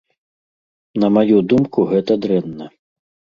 На маю думку, гэта дрэнна.